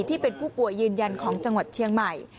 ที่เป็นผู้ป่วยยืนยันของจังหวัดเชียงใหม่